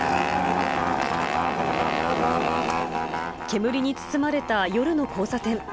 煙に包まれた夜の交差点。